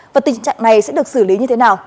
và tình trạng này sẽ được xử lý như thế nào